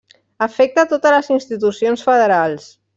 Afecta totes les institucions federals.